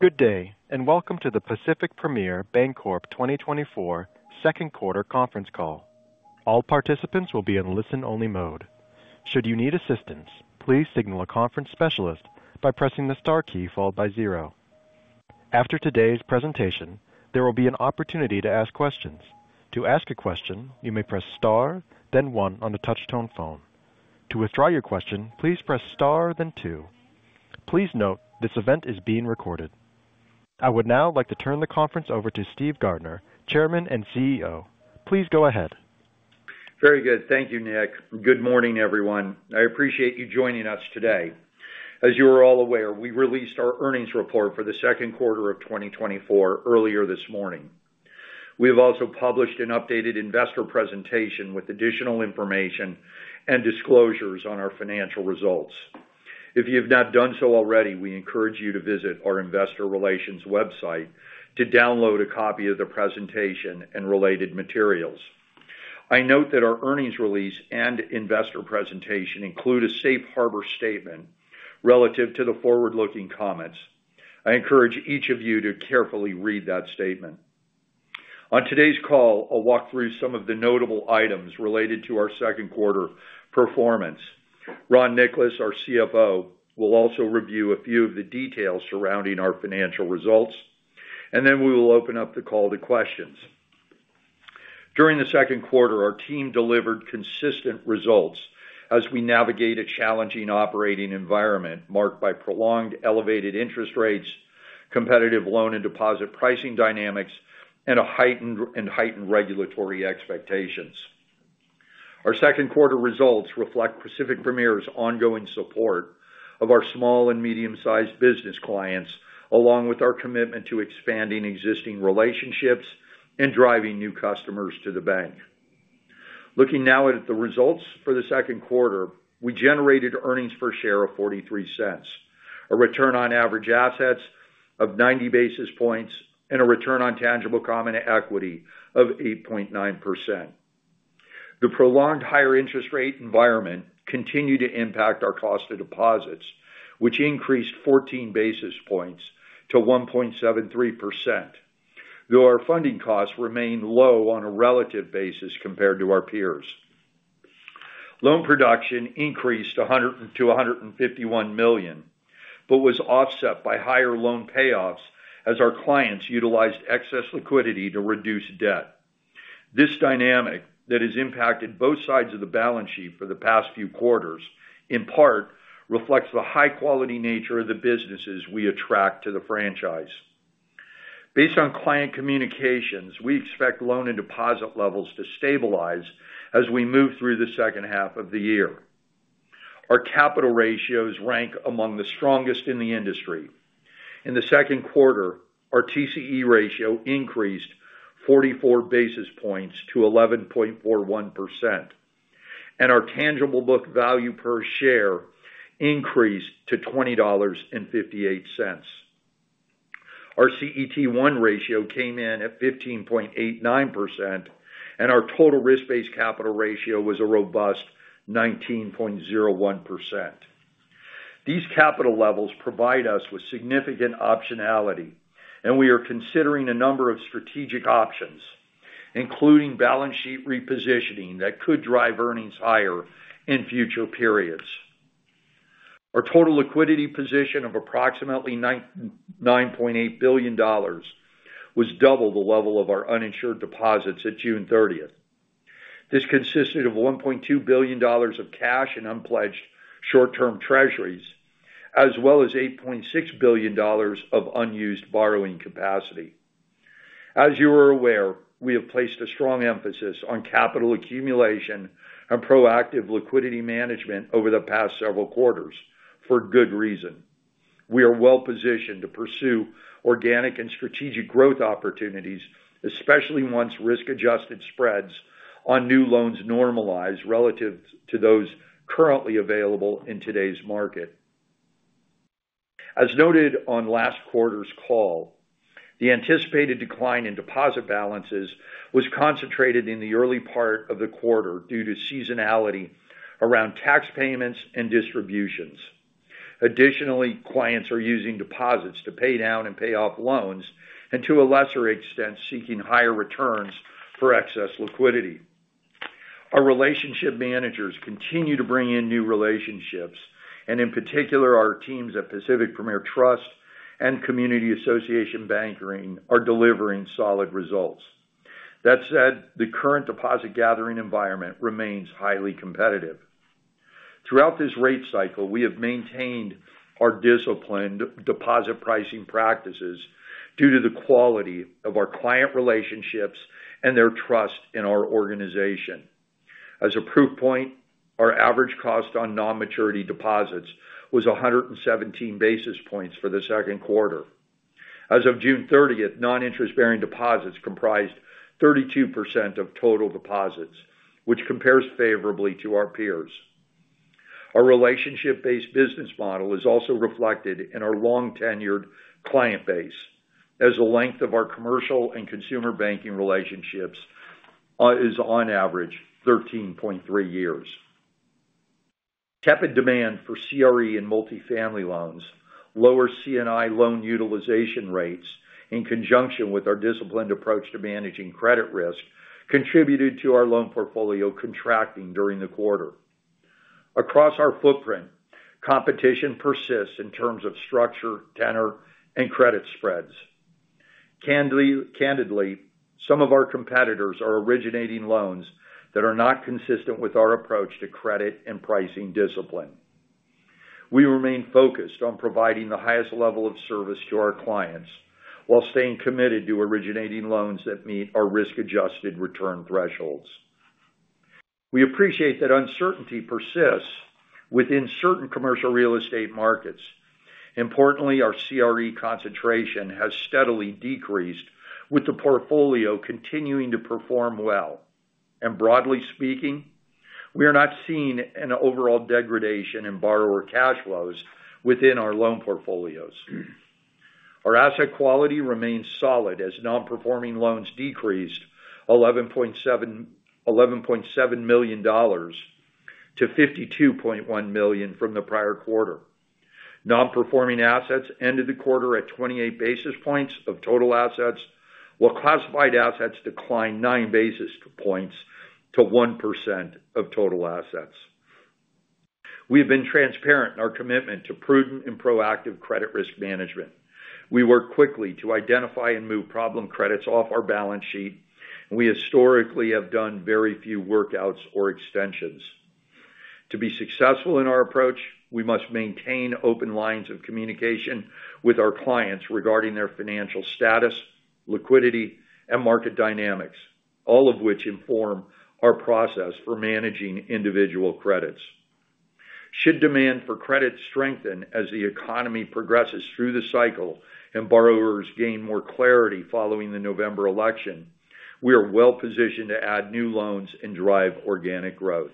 Good day, and welcome to the Pacific Premier Bancorp 2024 second quarter conference call. All participants will be in listen-only mode. Should you need assistance, please signal a conference specialist by pressing the star key followed by zero. After today's presentation, there will be an opportunity to ask questions. To ask a question, you may press star, then one on the touch-tone phone. To withdraw your question, please press star, then two. Please note this event is being recorded. I would now like to turn the conference over to Steve Gardner, Chairman and CEO. Please go ahead. Very good. Thank you, Nick. Good morning, everyone. I appreciate you joining us today. As you are all aware, we released our earnings report for the second quarter of 2024 earlier this morning. We have also published an updated investor presentation with additional information and disclosures on our financial results. If you have not done so already, we encourage you to visit our investor relations website to download a copy of the presentation and related materials. I note that our earnings release and investor presentation include a safe harbor statement relative to the forward-looking comments. I encourage each of you to carefully read that statement. On today's call, I'll walk through some of the notable items related to our second quarter performance. Ron Nicolas, our CFO, will also review a few of the details surrounding our financial results, and then we will open up the call to questions. During the second quarter, our team delivered consistent results as we navigate a challenging operating environment marked by prolonged elevated interest rates, competitive loan and deposit pricing dynamics, and heightened regulatory expectations. Our second quarter results reflect Pacific Premier's ongoing support of our small and medium-sized business clients, along with our commitment to expanding existing relationships and driving new customers to the bank. Looking now at the results for the second quarter, we generated earnings per share of $0.43, a return on average assets of 90 basis points, and a return on tangible common equity of 8.9%. The prolonged higher interest rate environment continued to impact our cost of deposits, which increased 14 basis points to 1.73%, though our funding costs remain low on a relative basis compared to our peers. Loan production increased to $151 million but was offset by higher loan payoffs as our clients utilized excess liquidity to reduce debt. This dynamic that has impacted both sides of the balance sheet for the past few quarters, in part, reflects the high-quality nature of the businesses we attract to the franchise. Based on client communications, we expect loan and deposit levels to stabilize as we move through the second half of the year. Our capital ratios rank among the strongest in the industry. In the second quarter, our TCE ratio increased 44 basis points to 11.41%, and our tangible book value per share increased to $20.58. Our CET1 ratio came in at 15.89%, and our total risk-based capital ratio was a robust 19.01%. These capital levels provide us with significant optionality, and we are considering a number of strategic options, including balance sheet repositioning that could drive earnings higher in future periods. Our total liquidity position of approximately $9.8 billion was double the level of our uninsured deposits at June 30th. This consisted of $1.2 billion of cash and unpledged short-term treasuries, as well as $8.6 billion of unused borrowing capacity. As you are aware, we have placed a strong emphasis on capital accumulation and proactive liquidity management over the past several quarters for good reason. We are well positioned to pursue organic and strategic growth opportunities, especially once risk-adjusted spreads on new loans normalize relative to those currently available in today's market. As noted on last quarter's call, the anticipated decline in deposit balances was concentrated in the early part of the quarter due to seasonality around tax payments and distributions. Additionally, clients are using deposits to pay down and pay off loans, and to a lesser extent, seeking higher returns for excess liquidity. Our relationship managers continue to bring in new relationships, and in particular, our teams at Pacific Premier Trust and Community Association Banking are delivering solid results. That said, the current deposit gathering environment remains highly competitive. Throughout this rate cycle, we have maintained our disciplined deposit pricing practices due to the quality of our client relationships and their trust in our organization. As a proof point, our average cost on non-maturity deposits was 117 basis points for the second quarter. As of June 30th, non-interest-bearing deposits comprised 32% of total deposits, which compares favorably to our peers. Our relationship-based business model is also reflected in our long-tenured client base, as the length of our commercial and consumer banking relationships is, on average, 13.3 years. Tepid demand for CRE and multifamily loans, lower C&I loan utilization rates, in conjunction with our disciplined approach to managing credit risk, contributed to our loan portfolio contracting during the quarter. Across our footprint, competition persists in terms of structure, tenor, and credit spreads. Candidly, some of our competitors are originating loans that are not consistent with our approach to credit and pricing discipline. We remain focused on providing the highest level of service to our clients while staying committed to originating loans that meet our risk-adjusted return thresholds. We appreciate that uncertainty persists within certain commercial real estate markets. Importantly, our CRE concentration has steadily decreased, with the portfolio continuing to perform well. Broadly speaking, we are not seeing an overall degradation in borrower cash flows within our loan portfolios. Our asset quality remains solid as non-performing loans decreased $11.7 million to $52.1 million from the prior quarter. Non-performing assets ended the quarter at 28 basis points of total assets, while classified assets declined 9 basis points to 1% of total assets. We have been transparent in our commitment to prudent and proactive credit risk management. We work quickly to identify and move problem credits off our balance sheet, and we historically have done very few workouts or extensions. To be successful in our approach, we must maintain open lines of communication with our clients regarding their financial status, liquidity, and market dynamics, all of which inform our process for managing individual credits. Should demand for credits strengthen as the economy progresses through the cycle and borrowers gain more clarity following the November election, we are well positioned to add new loans and drive organic growth.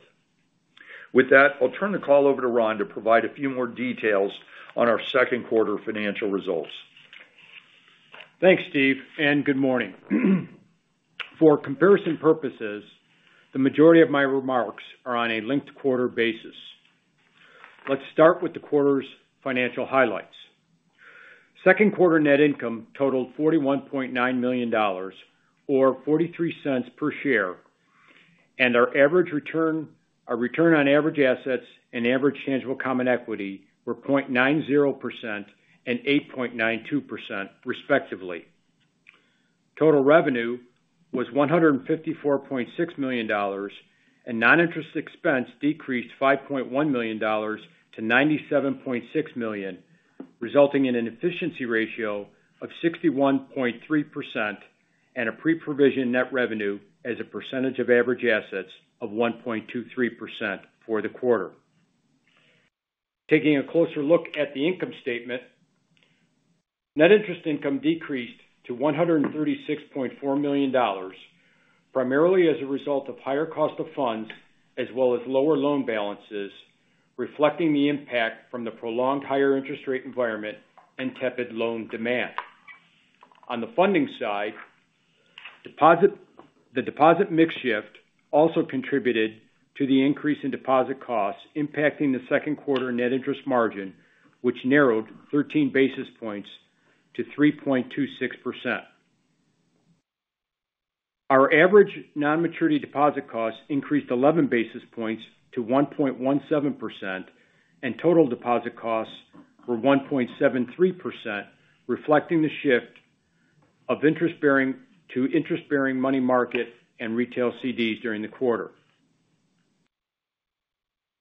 With that, I'll turn the call over to Ron to provide a few more details on our second quarter financial results. Thanks, Steve, and good morning. For comparison purposes, the majority of my remarks are on a linked-quarter basis. Let's start with the quarter's financial highlights. Second quarter net income totaled $41.9 million, or $0.43 per share, and our return on average assets and average tangible common equity were 0.90% and 8.92%, respectively. Total revenue was $154.6 million, and non-interest expense decreased $5.1 million to $97.6 million, resulting in an efficiency ratio of 61.3% and a pre-provision net revenue as a percentage of average assets of 1.23% for the quarter. Taking a closer look at the income statement, net interest income decreased to $136.4 million, primarily as a result of higher cost of funds as well as lower loan balances, reflecting the impact from the prolonged higher interest rate environment and tepid loan demand. On the funding side, the deposit mix shift also contributed to the increase in deposit costs, impacting the second quarter net interest margin, which narrowed 13 basis points to 3.26%. Our average non-maturity deposit costs increased 11 basis points to 1.17%, and total deposit costs were 1.73%, reflecting the shift of interest-bearing to interest-bearing money market and retail CDs during the quarter.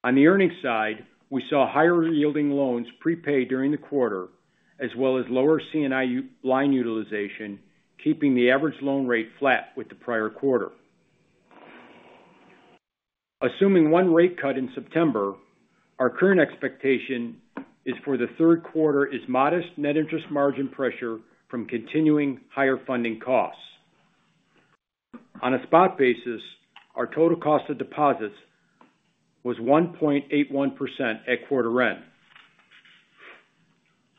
On the earnings side, we saw higher-yielding loans prepaid during the quarter, as well as lower C&I line utilization, keeping the average loan rate flat with the prior quarter. Assuming one rate cut in September, our current expectation is for the third quarter is modest net interest margin pressure from continuing higher funding costs. On a spot basis, our total cost of deposits was 1.81% at quarter-end.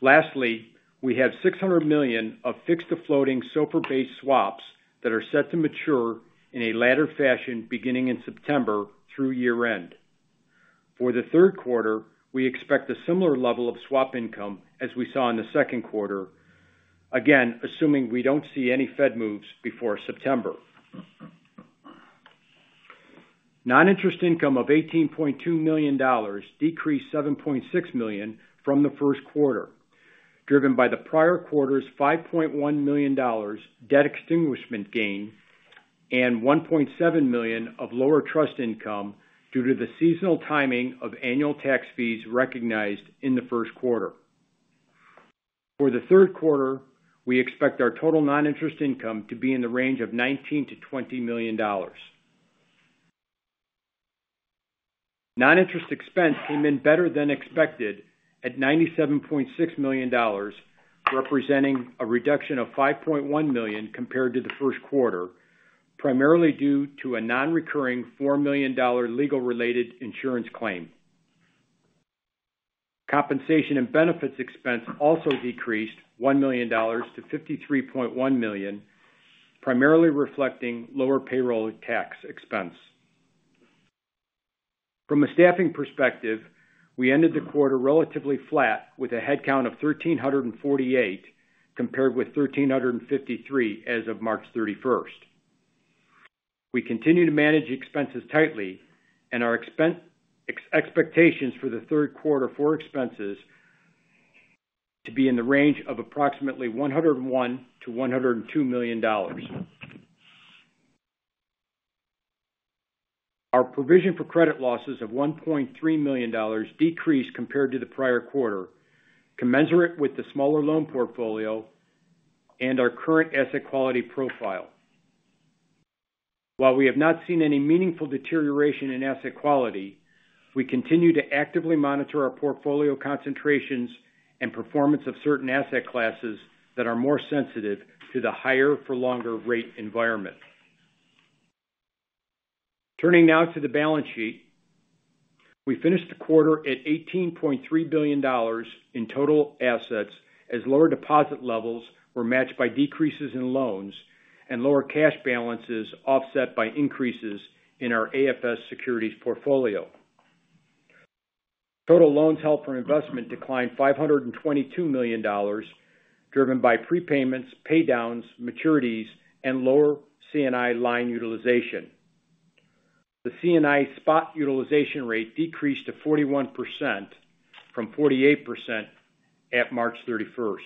Lastly, we have $600 million of fixed-to-floating SOFR-based swaps that are set to mature in a ladder fashion beginning in September through year-end. For the third quarter, we expect a similar level of swap income as we saw in the second quarter, again, assuming we don't see any Fed moves before September. Non-interest income of $18.2 million decreased $7.6 million from the first quarter, driven by the prior quarter's $5.1 million debt extinguishment gain and $1.7 million of lower trust income due to the seasonal timing of annual tax fees recognized in the first quarter. For the third quarter, we expect our total non-interest income to be in the range of $19 million-$20 million. Non-interest expense came in better than expected at $97.6 million, representing a reduction of $5.1 million compared to the first quarter, primarily due to a non-recurring $4 million legal-related insurance claim. Compensation and benefits expense also decreased $1 million to $53.1 million, primarily reflecting lower payroll tax expense. From a staffing perspective, we ended the quarter relatively flat with a headcount of 1,348 compared with 1,353 as of March 31st. We continue to manage expenses tightly, and our expectations for the third quarter for expenses to be in the range of approximately $101 million-$102 million. Our provision for credit losses of $1.3 million decreased compared to the prior quarter, commensurate with the smaller loan portfolio and our current asset quality profile. While we have not seen any meaningful deterioration in asset quality, we continue to actively monitor our portfolio concentrations and performance of certain asset classes that are more sensitive to the higher-for-longer rate environment. Turning now to the balance sheet, we finished the quarter at $18.3 billion in total assets as lower deposit levels were matched by decreases in loans and lower cash balances offset by increases in our AFS securities portfolio. Total loans held for investment declined $522 million, driven by prepayments, paydowns, maturities, and lower C&I line utilization. The C&I spot utilization rate decreased to 41% from 48% at March 31st.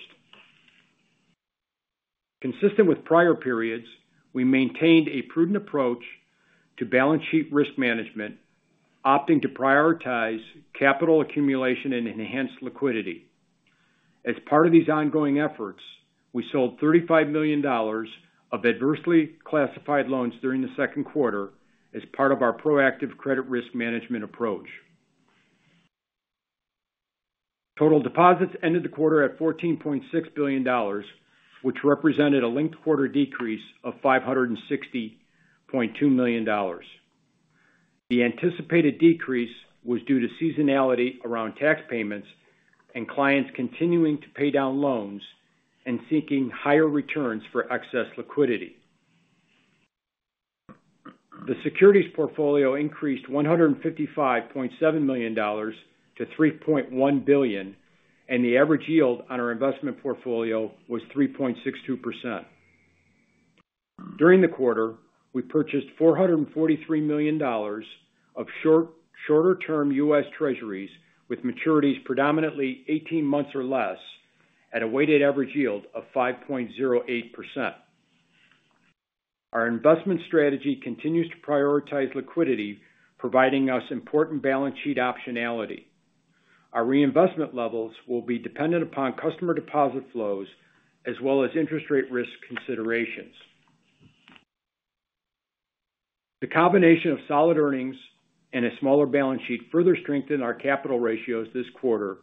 Consistent with prior periods, we maintained a prudent approach to balance sheet risk management, opting to prioritize capital accumulation and enhanced liquidity. As part of these ongoing efforts, we sold $35 million of adversely classified loans during the second quarter as part of our proactive credit risk management approach. Total deposits ended the quarter at $14.6 billion, which represented a linked quarter decrease of $560.2 million. The anticipated decrease was due to seasonality around tax payments and clients continuing to pay down loans and seeking higher returns for excess liquidity. The securities portfolio increased $155.7 million to $3.1 billion, and the average yield on our investment portfolio was 3.62%. During the quarter, we purchased $443 million of shorter-term U.S. Treasuries with maturities predominantly 18 months or less at a weighted average yield of 5.08%. Our investment strategy continues to prioritize liquidity, providing us important balance sheet optionality. Our reinvestment levels will be dependent upon customer deposit flows as well as interest rate risk considerations. The combination of solid earnings and a smaller balance sheet further strengthened our capital ratios this quarter,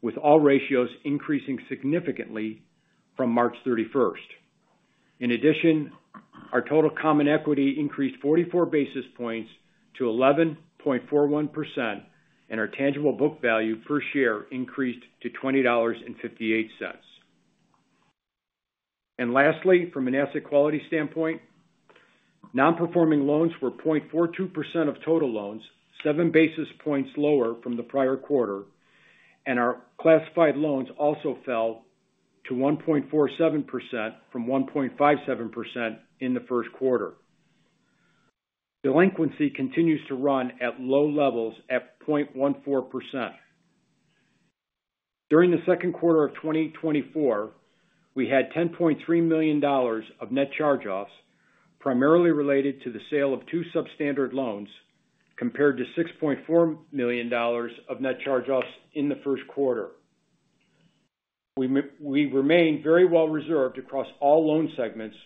with all ratios increasing significantly from March 31st. In addition, our total common equity increased 44 basis points to 11.41%, and our tangible book value per share increased to $20.58. And lastly, from an asset quality standpoint, non-performing loans were 0.42% of total loans, 7 basis points lower from the prior quarter, and our classified loans also fell to 1.47% from 1.57% in the first quarter. Delinquency continues to run at low levels at 0.14%. During the second quarter of 2024, we had $10.3 million of net charge-offs, primarily related to the sale of two substandard loans, compared to $6.4 million of net charge-offs in the first quarter. We remain very well reserved across all loan segments,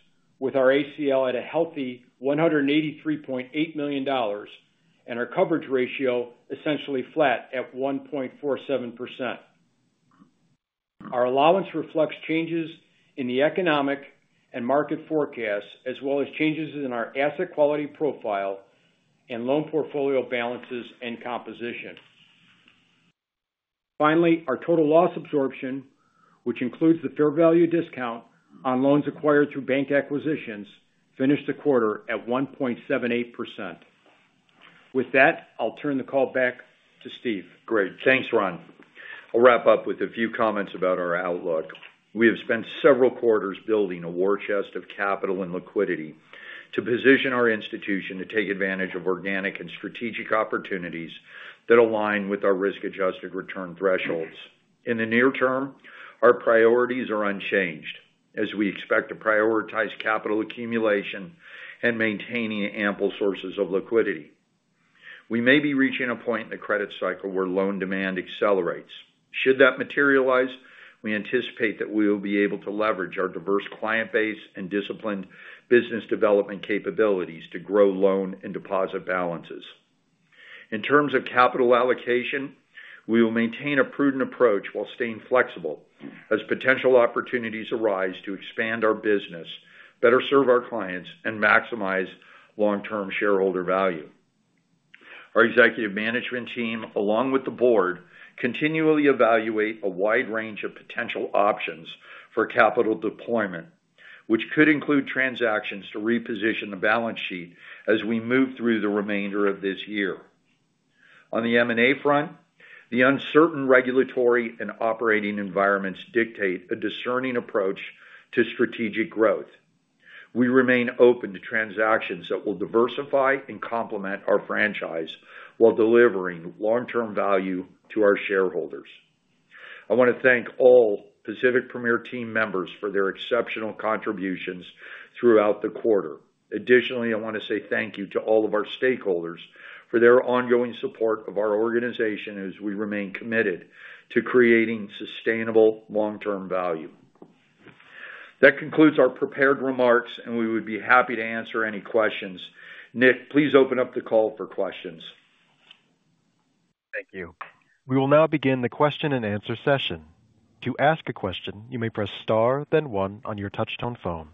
with our ACL at a healthy $183.8 million and our coverage ratio essentially flat at 1.47%. Our allowance reflects changes in the economic and market forecasts, as well as changes in our asset quality profile and loan portfolio balances and composition. Finally, our total loss absorption, which includes the fair value discount on loans acquired through bank acquisitions, finished the quarter at 1.78%. With that, I'll turn the call back to Steve. Great. Thanks, Ron. I'll wrap up with a few comments about our outlook. We have spent several quarters building a war chest of capital and liquidity to position our institution to take advantage of organic and strategic opportunities that align with our risk-adjusted return thresholds. In the near term, our priorities are unchanged, as we expect to prioritize capital accumulation and maintaining ample sources of liquidity. We may be reaching a point in the credit cycle where loan demand accelerates. Should that materialize, we anticipate that we will be able to leverage our diverse client base and disciplined business development capabilities to grow loan and deposit balances. In terms of capital allocation, we will maintain a prudent approach while staying flexible as potential opportunities arise to expand our business, better serve our clients, and maximize long-term shareholder value. Our executive management team, along with the board, continually evaluate a wide range of potential options for capital deployment, which could include transactions to reposition the balance sheet as we move through the remainder of this year. On the M&A front, the uncertain regulatory and operating environments dictate a discerning approach to strategic growth. We remain open to transactions that will diversify and complement our franchise while delivering long-term value to our shareholders. I want to thank all Pacific Premier team members for their exceptional contributions throughout the quarter. Additionally, I want to say thank you to all of our stakeholders for their ongoing support of our organization as we remain committed to creating sustainable long-term value. That concludes our prepared remarks, and we would be happy to answer any questions. Nick, please open up the call for questions. Thank you. We will now begin the question-and-answer session. To ask a question, you may press star, then one on your touch-tone phone.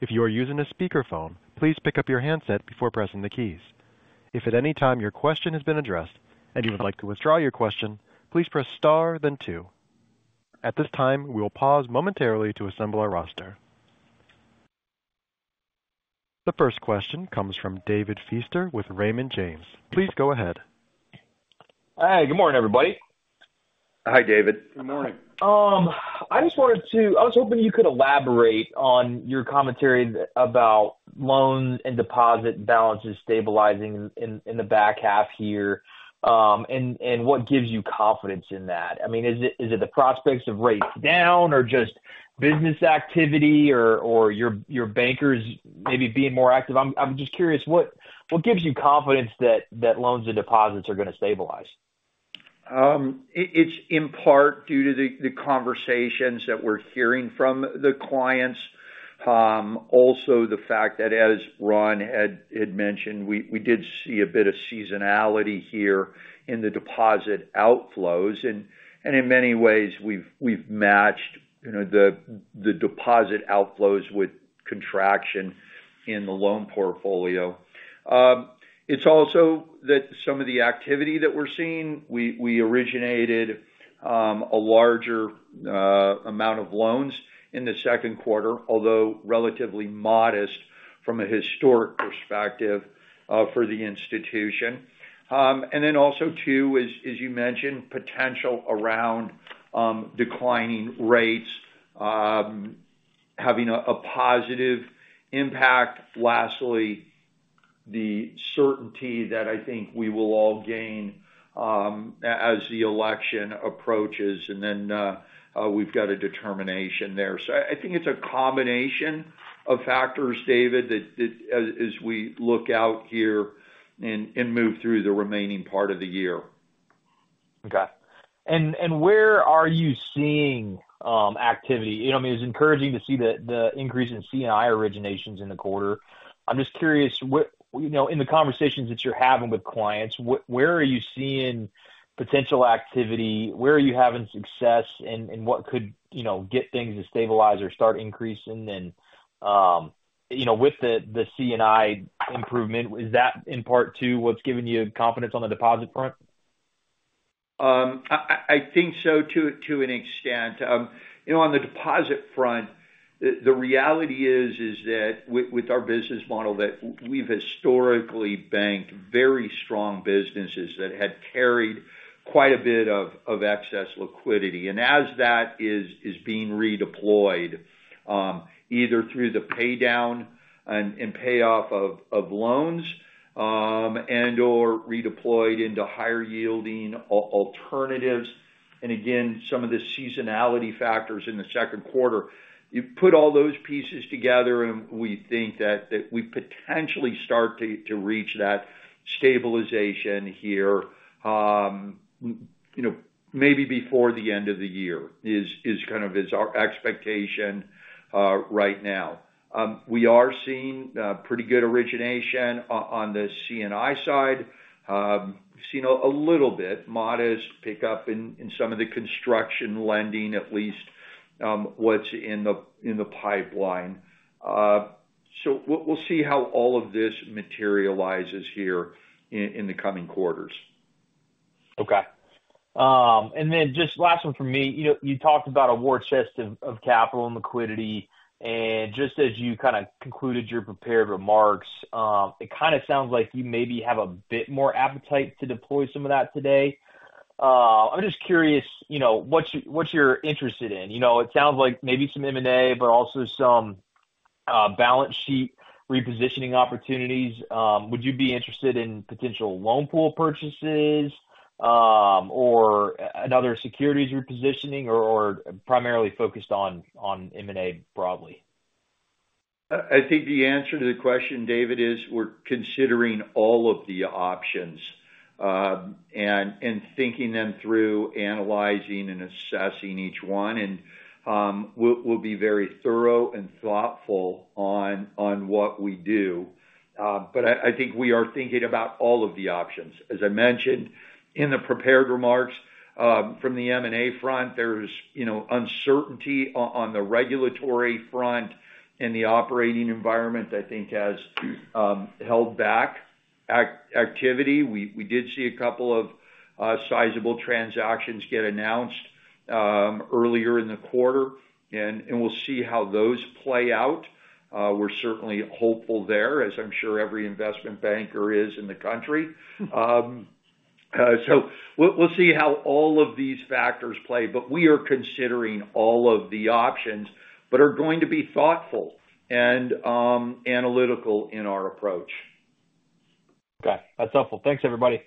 If you are using a speakerphone, please pick up your handset before pressing the keys. If at any time your question has been addressed and you would like to withdraw your question, please press star, then two. At this time, we will pause momentarily to assemble our roster. The first question comes from David Feaster with Raymond James. Please go ahead. Hi. Good morning, everybody. Hi, David. Good morning. I just wanted to, I was hoping you could elaborate on your commentary about loans and deposit balances stabilizing in the back half here and what gives you confidence in that. I mean, is it the prospects of rates down or just business activity or your bankers maybe being more active? I'm just curious, what gives you confidence that loans and deposits are going to stabilize? It's in part due to the conversations that we're hearing from the clients. Also, the fact that, as Ron had mentioned, we did see a bit of seasonality here in the deposit outflows. And in many ways, we've matched the deposit outflows with contraction in the loan portfolio. It's also that some of the activity that we're seeing, we originated a larger amount of loans in the second quarter, although relatively modest from a historic perspective for the institution. And then also, too, as you mentioned, potential around declining rates having a positive impact. Lastly, the certainty that I think we will all gain as the election approaches. And then we've got a determination there. So I think it's a combination of factors, David, as we look out here and move through the remaining part of the year. Okay. And where are you seeing activity? I mean, it's encouraging to see the increase in C&I originations in the quarter. I'm just curious, in the conversations that you're having with clients, where are you seeing potential activity? Where are you having success, and what could get things to stabilize or start increasing? And with the C&I improvement, is that in part, too, what's giving you confidence on the deposit front? I think so, to an extent. On the deposit front, the reality is that with our business model, that we've historically banked very strong businesses that had carried quite a bit of excess liquidity. And as that is being redeployed, either through the paydown and payoff of loans and/or redeployed into higher-yielding alternatives. And again, some of the seasonality factors in the second quarter, you put all those pieces together, and we think that we potentially start to reach that stabilization here maybe before the end of the year is kind of our expectation right now. We are seeing pretty good origination on the C&I side. We've seen a little bit modest pickup in some of the construction lending, at least what's in the pipeline. So we'll see how all of this materializes here in the coming quarters. Okay. And then just last one from me. You talked about a war chest of capital and liquidity. And just as you kind of concluded your prepared remarks, it kind of sounds like you maybe have a bit more appetite to deploy some of that today. I'm just curious, what you're interested in? It sounds like maybe some M&A, but also some balance sheet repositioning opportunities. Would you be interested in potential loan pool purchases or another securities repositioning, or primarily focused on M&A broadly? I think the answer to the question, David, is we're considering all of the options and thinking them through, analyzing and assessing each one. We'll be very thorough and thoughtful on what we do. I think we are thinking about all of the options. As I mentioned in the prepared remarks, from the M&A front, there's uncertainty on the regulatory front. The operating environment, I think, has held back activity. We did see a couple of sizable transactions get announced earlier in the quarter. We'll see how those play out. We're certainly hopeful there, as I'm sure every investment banker is in the country. We'll see how all of these factors play. We are considering all of the options, but are going to be thoughtful and analytical in our approach. Okay. That's helpful. Thanks, everybody.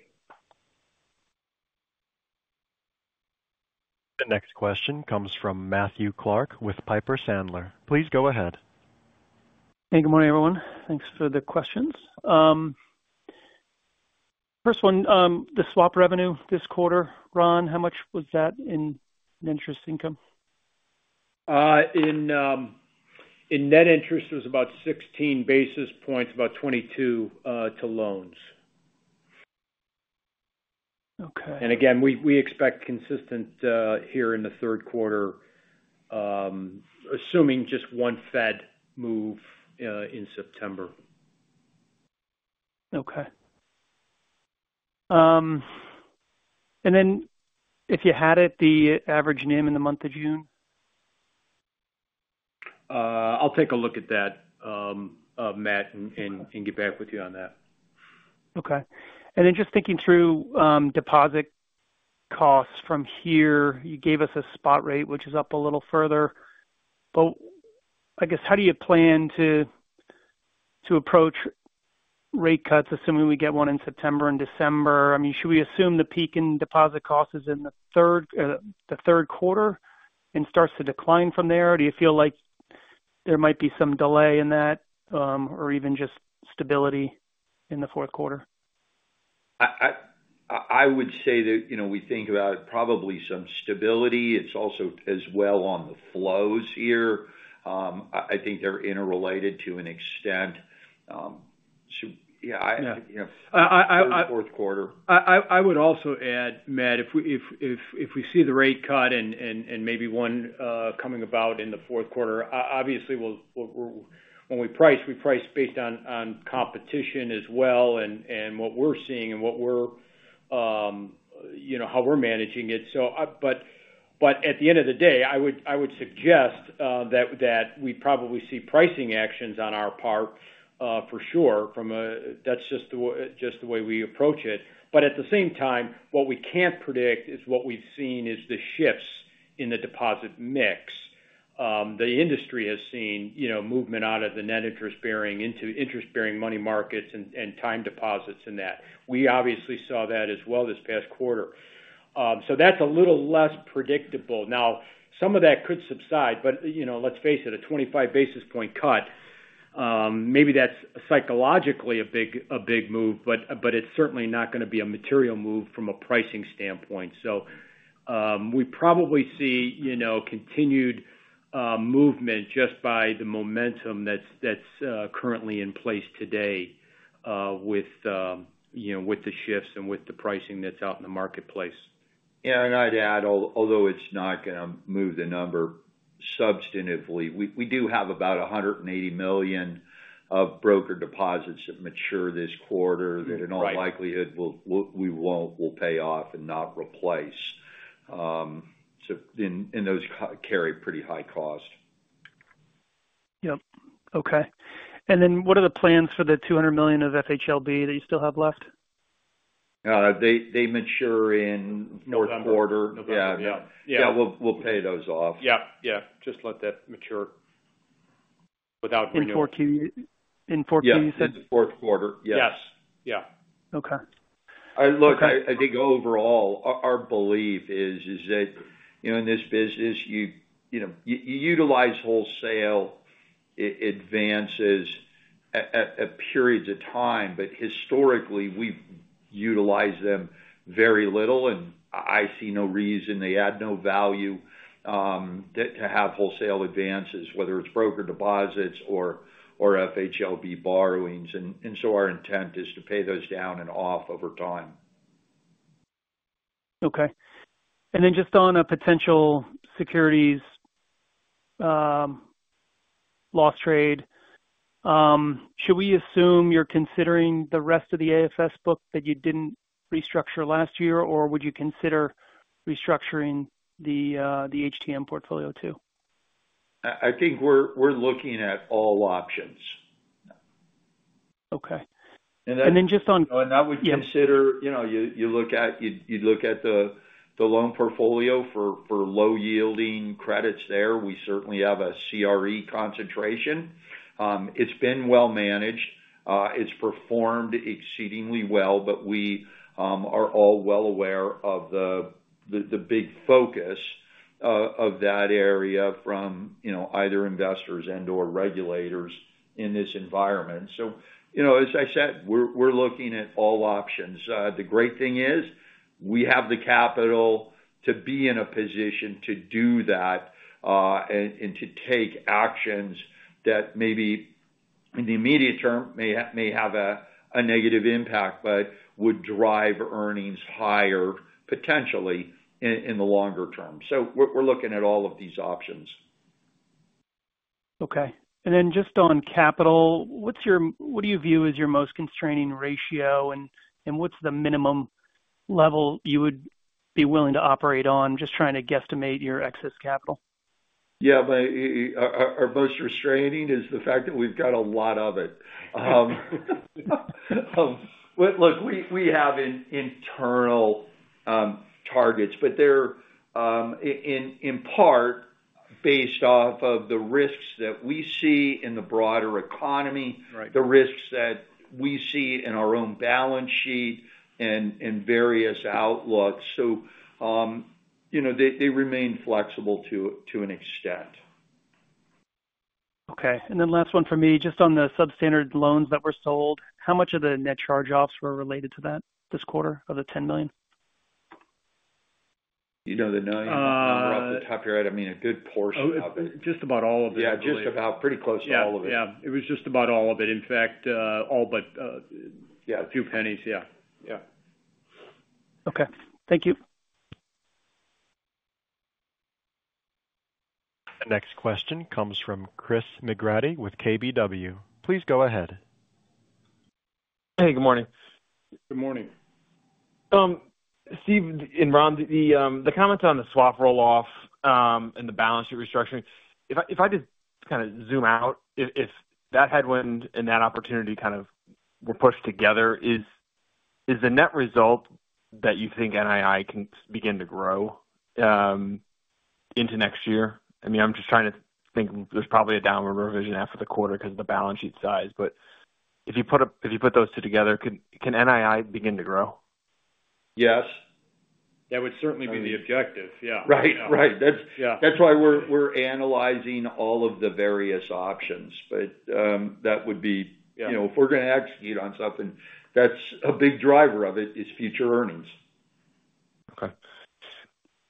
The next question comes from Matthew Clark with Piper Sandler. Please go ahead. Hey. Good morning, everyone. Thanks for the questions. First one, the swap revenue this quarter, Ron, how much was that in interest income? In net interest, it was about 16 basis points, about 22 to loans. Again, we expect consistency here in the third quarter, assuming just 1 Fed move in September. Okay. And then if you had it, the average NIM in the month of June? I'll take a look at that, Matt, and get back with you on that. Okay. And then just thinking through deposit costs from here, you gave us a spot rate, which is up a little further. But I guess, how do you plan to approach rate cuts, assuming we get one in September and December? I mean, should we assume the peak in deposit costs is in the third quarter and starts to decline from there? Do you feel like there might be some delay in that or even just stability in the fourth quarter? I would say that we think about probably some stability. It's also as well on the flows here. I think they're interrelated to an extent. So yeah, I think in the fourth quarter. I would also add, Matt, if we see the rate cut and maybe one coming about in the fourth quarter, obviously, when we price, we price based on competition as well and what we're seeing and how we're managing it. But at the end of the day, I would suggest that we probably see pricing actions on our part for sure. That's just the way we approach it. But at the same time, what we can't predict is what we've seen is the shifts in the deposit mix. The industry has seen movement out of the non-interest-bearing into interest-bearing money markets and time deposits in that. We obviously saw that as well this past quarter. So that's a little less predictable. Now, some of that could subside. But let's face it, a 25 basis point cut, maybe that's psychologically a big move, but it's certainly not going to be a material move from a pricing standpoint. So we probably see continued movement just by the momentum that's currently in place today with the shifts and with the pricing that's out in the marketplace. Yeah. And I'd add, although it's not going to move the number substantively, we do have about $180 million of broker deposits that mature this quarter that in all likelihood we will pay off and not replace. And those carry pretty high cost. Yep. Okay. And then what are the plans for the $200 million of FHLB that you still have left? They mature in the fourth quarter. November. Yeah. Yeah. Yeah. We'll pay those off. Yeah. Yeah. Just let that mature without renewal. In 4Q, you said? Yeah. In the fourth quarter. Yes. Yes. Yeah. Look, I think overall, our belief is that in this business, you utilize wholesale advances at periods of time. Historically, we've utilized them very little. I see no reason, they add no value to have wholesale advances, whether it's broker deposits or FHLB borrowings. So our intent is to pay those down and off over time. Okay. And then just on potential securities loss trade, should we assume you're considering the rest of the AFS book that you didn't restructure last year, or would you consider restructuring the HTM portfolio too? I think we're looking at all options. Okay. And then just on. And that would consider, you look at the loan portfolio for low-yielding credits there. We certainly have a CRE concentration. It's been well managed. It's performed exceedingly well. But we are all well aware of the big focus of that area from either investors and/or regulators in this environment. So as I said, we're looking at all options. The great thing is we have the capital to be in a position to do that and to take actions that maybe in the immediate term may have a negative impact but would drive earnings higher potentially in the longer term. So we're looking at all of these options. Okay. And then just on capital, what do you view as your most constraining ratio, and what's the minimum level you would be willing to operate on, just trying to guesstimate your excess capital? Yeah. But our most restraining is the fact that we've got a lot of it. Look, we have internal targets, but they're in part based off of the risks that we see in the broader economy, the risks that we see in our own balance sheet, and various outlooks. So they remain flexible to an extent. Okay. And then last one for me, just on the substandard loans that were sold, how much of the net charge-offs were related to that this quarter of the $10 million? You know the number off the top of your head? I mean, a good portion of it. Oh, just about all of it. Yeah. Just about pretty close to all of it. Yeah. Yeah. It was just about all of it. In fact, all but a few pennies. Yeah. Yeah. Okay. Thank you. The next question comes from Chris McGratty with KBW. Please go ahead. Hey. Good morning. Good morning. Steve and Ron, the comments on the swap roll-off and the balance sheet restructuring, if I just kind of zoom out, if that headwind and that opportunity kind of were pushed together, is the net result that you think NII can begin to grow into next year? I mean, I'm just trying to think there's probably a downward revision after the quarter because of the balance sheet size. But if you put those two together, can NII begin to grow? Yes. That would certainly be the objective. Yeah. Right. Right. That's why we're analyzing all of the various options. But that would be if we're going to execute on something, that's a big driver of it is future earnings.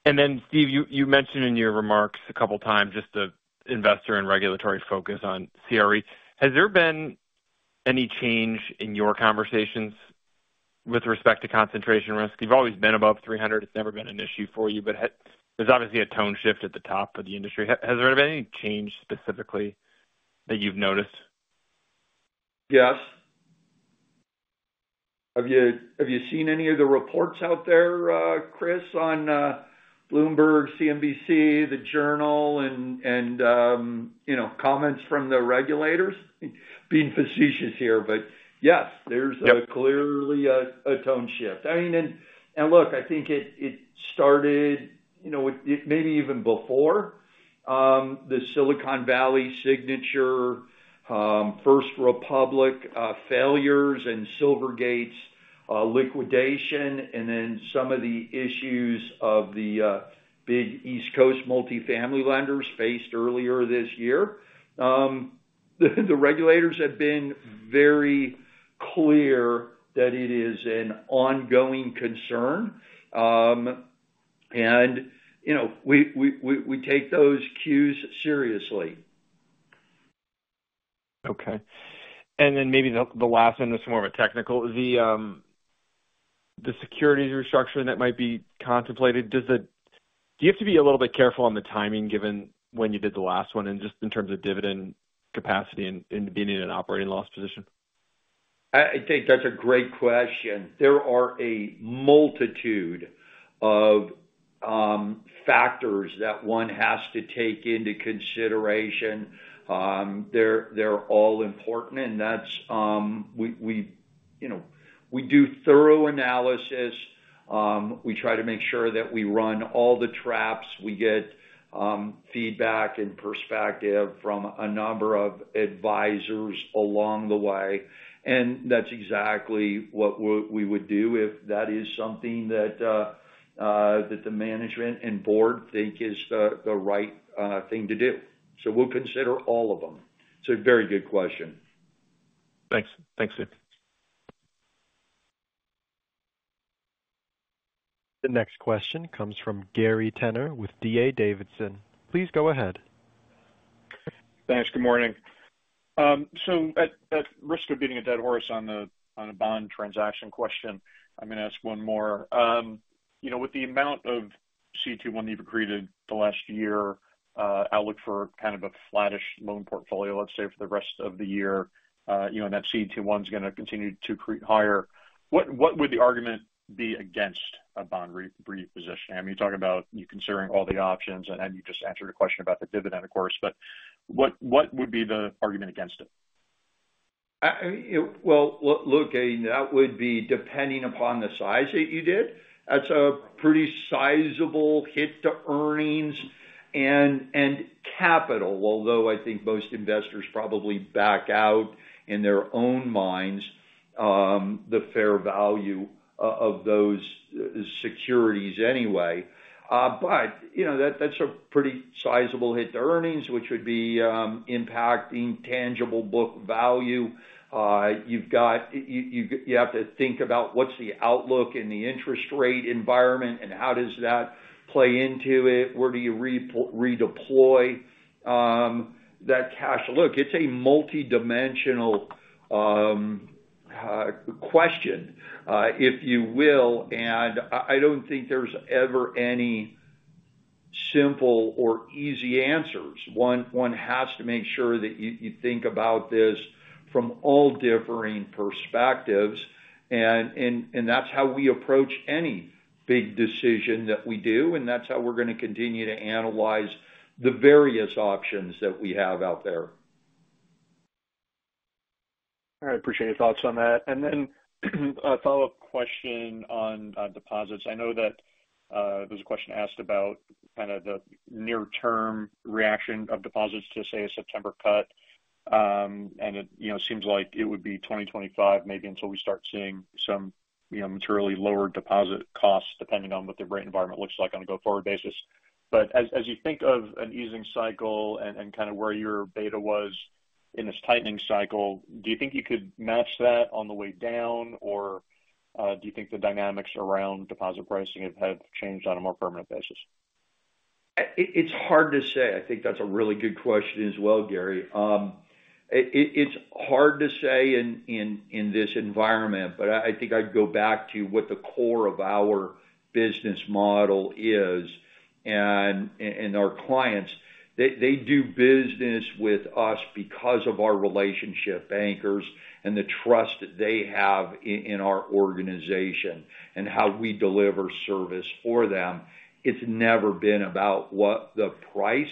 Okay. And then, Steve, you mentioned in your remarks a couple of times, just the investor and regulatory focus on CRE. Has there been any change in your conversations with respect to concentration risk? You've always been above 300. It's never been an issue for you. But there's obviously a tone shift at the top of the industry. Has there been any change specifically that you've noticed? Yes. Have you seen any of the reports out there, Chris, on Bloomberg, CNBC, The Journal, and comments from the regulators? Being facetious here, but yes, there's clearly a tone shift. I mean, and look, I think it started maybe even before the Silicon Valley, Signature, First Republic failures, and Silvergate's liquidation, and then some of the issues of the big East Coast multifamily lenders faced earlier this year. The regulators have been very clear that it is an ongoing concern. And we take those cues seriously. Okay. And then maybe the last one is more of a technical. The securities restructuring that might be contemplated, do you have to be a little bit careful on the timing given when you did the last one and just in terms of dividend capacity and being in an operating loss position? I think that's a great question. There are a multitude of factors that one has to take into consideration. They're all important. And we do thorough analysis. We try to make sure that we run all the traps. We get feedback and perspective from a number of advisors along the way. And that's exactly what we would do if that is something that the management and board think is the right thing to do. So we'll consider all of them. It's a very good question. Thanks. Thanks, Steve. The next question comes from Gary Tenner with D.A. Davidson. Please go ahead. Thanks. Good morning. So at risk of beating a dead horse on a bond transaction question, I'm going to ask one more. With the amount of CET1 you've accreted the last year, outlook for kind of a flattish loan portfolio, let's say, for the rest of the year, and that CET1 is going to continue to accrete higher, what would the argument be against a bond repositioning? I mean, you're talking about you considering all the options, and you just answered a question about the dividend, of course. But what would be the argument against it? Well, look, that would be depending upon the size that you did. That's a pretty sizable hit to earnings and capital, although I think most investors probably back out in their own minds the fair value of those securities anyway. But that's a pretty sizable hit to earnings, which would be impacting tangible book value. You have to think about what's the outlook in the interest rate environment, and how does that play into it? Where do you redeploy that cash? Look, it's a multidimensional question, if you will. And I don't think there's ever any simple or easy answers. One has to make sure that you think about this from all differing perspectives. And that's how we approach any big decision that we do. And that's how we're going to continue to analyze the various options that we have out there. All right. Appreciate your thoughts on that. And then a follow-up question on deposits. I know that there's a question asked about kind of the near-term reaction of deposits to, say, a September cut. And it seems like it would be 2025, maybe until we start seeing some materially lower deposit costs, depending on what the rate environment looks like on a go-forward basis. But as you think of an easing cycle and kind of where your beta was in this tightening cycle, do you think you could match that on the way down, or do you think the dynamics around deposit pricing have changed on a more permanent basis? It's hard to say. I think that's a really good question as well, Gary. It's hard to say in this environment. But I think I'd go back to what the core of our business model is and our clients. They do business with us because of our relationship, bankers, and the trust they have in our organization and how we deliver service for them. It's never been about what the price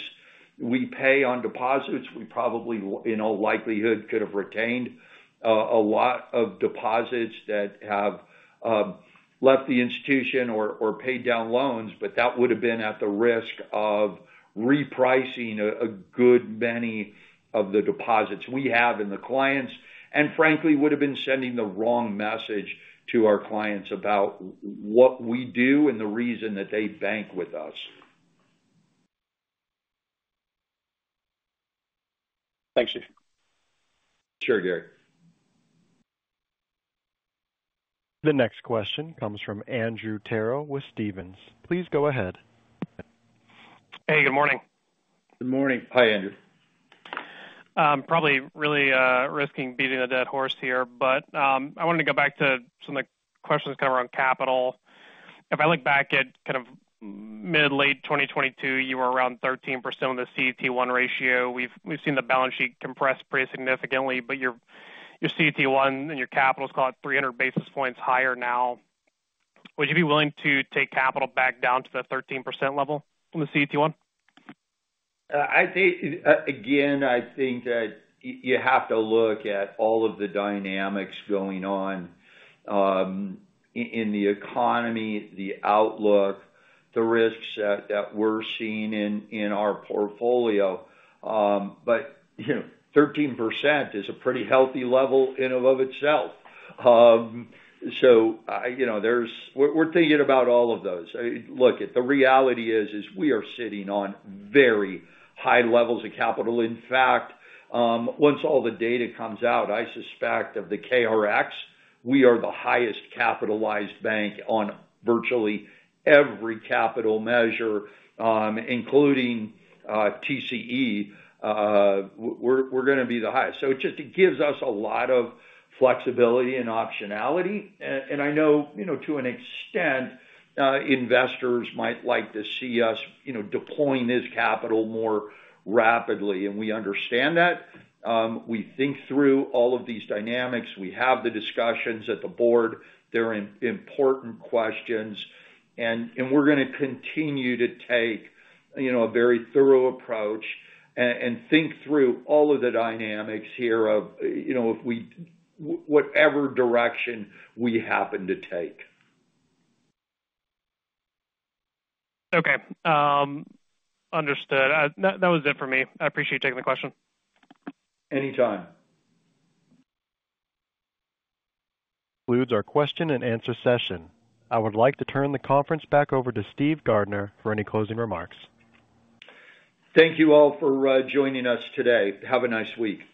we pay on deposits. We probably, in all likelihood, could have retained a lot of deposits that have left the institution or paid down loans. But that would have been at the risk of repricing a good many of the deposits we have and the clients, and frankly, would have been sending the wrong message to our clients about what we do and the reason that they bank with us. Thanks, Steve. Sure, Gary. The next question comes from Andrew Terrell with Stephens. Please go ahead. Hey. Good morning. Good morning. Hi, Andrew. I'm probably really risking beating a dead horse here. But I wanted to go back to some of the questions kind of around capital. If I look back at kind of mid/late 2022, you were around 13% with a CET1 ratio. We've seen the balance sheet compress pretty significantly. But your CET1 and your capital is, call it, 300 basis points higher now. Would you be willing to take capital back down to the 13% level on the CET1? Again, I think that you have to look at all of the dynamics going on in the economy, the outlook, the risks that we're seeing in our portfolio. But 13% is a pretty healthy level in and of itself. So we're thinking about all of those. Look, the reality is we are sitting on very high levels of capital. In fact, once all the data comes out, I suspect of the KRX, we are the highest capitalized bank on virtually every capital measure, including TCE. We're going to be the highest. So it just gives us a lot of flexibility and optionality. And I know to an extent investors might like to see us deploying this capital more rapidly. And we understand that. We think through all of these dynamics. We have the discussions at the board. They're important questions. We're going to continue to take a very thorough approach and think through all of the dynamics here of whatever direction we happen to take. Okay. Understood. That was it for me. I appreciate you taking the question. Anytime. Concludes our question-and-answer session. I would like to turn the conference back over to Steve Gardner for any closing remarks. Thank you all for joining us today. Have a nice week.